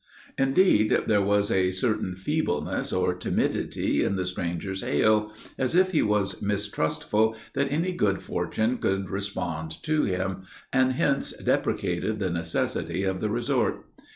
Indeed, there was a certain feebleness or timidity in the stranger's hail, as if he was mistrustful that any good fortune could respond to him, and, hence, deprecated the necessity of the resort.